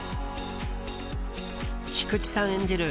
菊池さん演じる